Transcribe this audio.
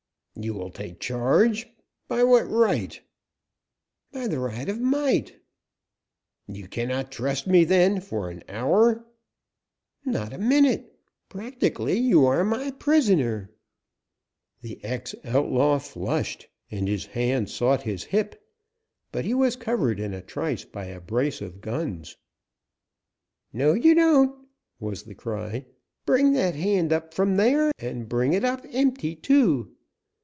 "You will take charge? By what right?" "By the right of might." "You cannot trust me, then, an hour?" "Not a minute. Practically, you are my prisoner." The ex outlaw flushed, and his hand sought his hip, but he was covered in a trice by a brace of guns. "No you don't!" was the cry. "Bring that hand up from there, and bring it up empty, too!